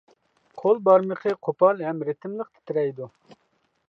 قول بارمىقى قوپال ھەم رىتىملىق تىترەيدۇ.